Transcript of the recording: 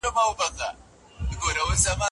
په دغي برخي کي ډېر خلک دي.